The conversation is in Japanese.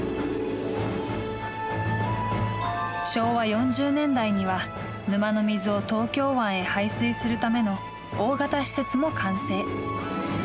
昭和４０年代には沼の水を東京湾へ排水するための大型施設も完成。